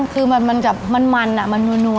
คือมันจะมันมันมันหนัว